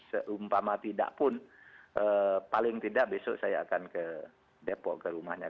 seumpama tidak pun paling tidak besok saya akan ke depok ke rumahnya